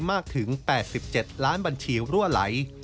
มากถึง๘๗ล้านบัญชีรั่วไหล